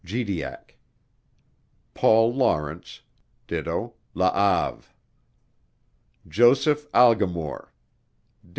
Gediack, Paul Lawrence, do. La Have, Joseph Algimoure, do.